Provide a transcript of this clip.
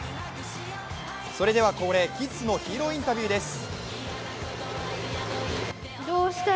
それでは恒例、キッズのヒーローインタビューです。